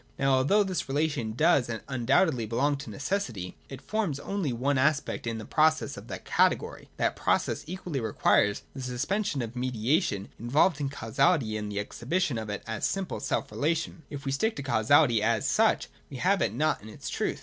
Now, although this relation does undoubtedly belong to necessity, it forms only one aspect in the process of that category. That process equally requires the suspension of the media tion involved in causality and the exhibition of it as simple self relation. If we stick to causality as such, we have it not in its truth.